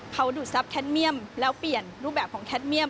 เขาดูดซับแคทมีีมแล้วเปลี่ยนรูปแบบของแคทมีีม